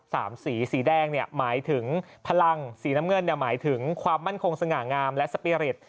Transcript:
สามสีสีแดงเนี่ยหมายถึงพลังสีน้ำเงินหมายถึงความมั่นคงสง่างามและสปีริต